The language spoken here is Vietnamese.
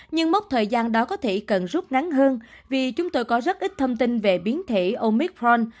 nhưng mốc thời gian đó có thể cần rút ngắn hơn vì chúng tôi có rất ít thông tin về biến thể omicron